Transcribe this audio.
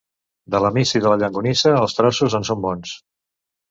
De la missa i de la llonganissa, els trossos en són bons.